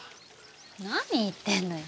何言ってんのよ？